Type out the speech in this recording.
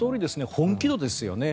本気度ですよね。